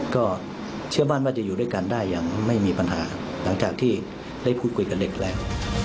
ก็เชื่อมั่นว่าจะอยู่ด้วยกันได้อย่างไม่มีปัญหาหลังจากที่ได้พูดคุยกับเด็กแล้ว